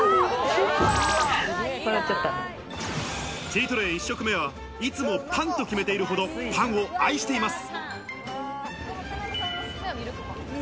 チートデイ１食目は、いつもパンと決めているほど、パンを愛しています。